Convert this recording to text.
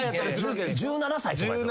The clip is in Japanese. １７歳とかですよ。